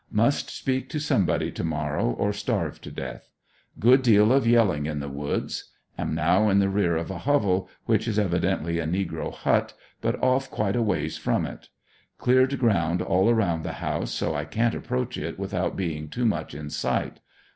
Must speak to somebody to morrow, or starve to death. Good deal of yelling in the woods. Am now in the rear of a hovel which is evidently a negro hut, but off quite a w^ays from it. Cleared ground all around the house so I can't approach it without being too much in sight.